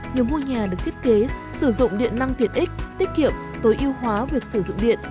nhiều ngôi nhà được thiết kế sử dụng điện năng tiện ích tiết kiệm tối ưu hóa việc sử dụng điện